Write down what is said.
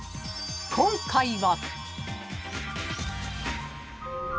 ［今回は］